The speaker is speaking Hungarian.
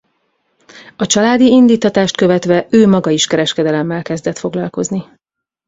A családi indíttatást követve ő maga is kereskedelemmel kezdett foglalkozni.